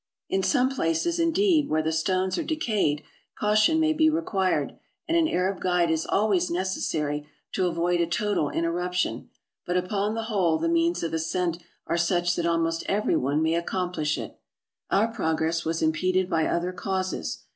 In some places, indeed, where the stones are decayed, caution may be required, and an Arab guide is always necessary to avoid a total interruption ; but upon the whole the means of ascent are such that almost every one may acomplish it. Our progress was impeded by other causes.